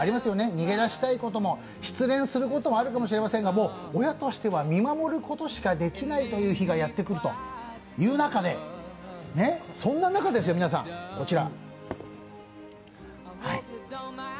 逃げ出したいことも失恋することもあるかもしれませんが、親としては見守ることしかできないという日がやってくる中でこちら。